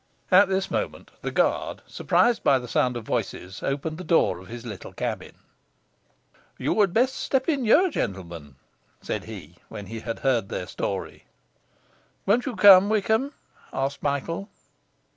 At this moment, the guard, surprised by the sound of voices, opened the door of his little cabin. 'You had best step in here, gentlemen,' said he, when he had heard their story. 'Won't you come, Wickham?' asked Michael.